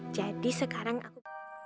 jadi sekarang aku